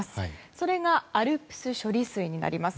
それがＡＬＰＳ処理水になります。